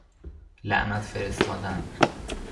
لعنت فرستادن